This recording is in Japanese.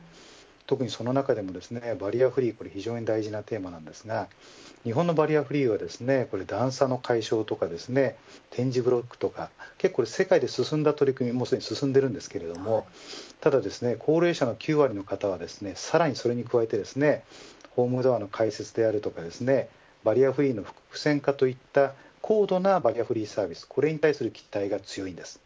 特にその中でもバリアフリーは非常に大事なテーマですが日本のバリアフリーは段差の解消とか点字ブロックとか世界で取り組みも進んでいるんですけどただ、高齢者の９割の方はさらにそれに加えてホームドアの開設であるとかバリアフリーの複線化といった高度なバリアフリーに期待しています。